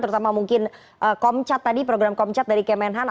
terutama mungkin comchat tadi program comchat dari kementerian pertahanan